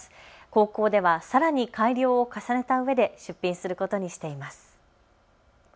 高校ではさらに改良を重ねたうえで出品することにしています。